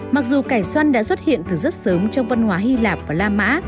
mặc dù cải xoăn đã xuất hiện từ rất sớm trong văn hóa hy lạp và la mã